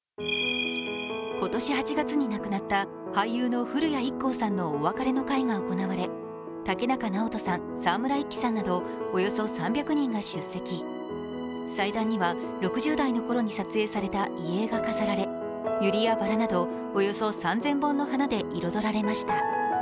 今年８月に亡くなった俳優の古谷一行さんのお別れの会が行われ竹中直人さん、沢村一樹さんなどおよそ３００人が出席、祭壇には６０代の頃に撮影された遺影が飾られユリやバラなど、およそ３０００本の花で彩られました。